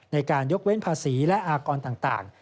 ในการยกเว้นภาษีและอากรต่าง